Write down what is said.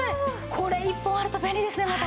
これ１本あると便利ですねまた。